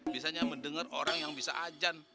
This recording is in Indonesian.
misalnya mendengar orang yang bisa ajan